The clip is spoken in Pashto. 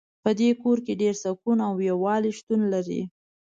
په دې کور کې ډېر سکون او یووالۍ شتون لری